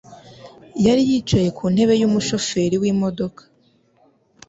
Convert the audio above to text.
yari yicaye ku ntebe yumushoferi wimodoka.